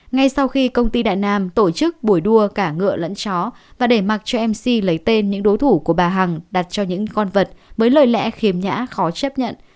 ngay sau khi công ty đại nam tổ chức buổi đua cả ngựa lẫn chó và để mặc cho mc lấy tên những đối thủ của bà hằng đặt cho những con vật với lời lẽ khiếm nhã khó chấp nhận